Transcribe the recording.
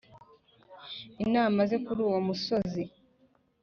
I namaze kuri uwo musozi